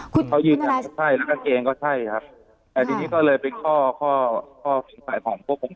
เขายืนยันก็ใช่แล้วก็เองก็ใช่ครับแต่ทีนี้ก็เลยเป็นข้อฝังสายของพวกผม